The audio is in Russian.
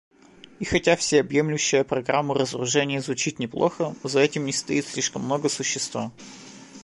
И хотя всеобъемлющая программа разоружения звучит неплохо, за этим не стоит слишком много существа.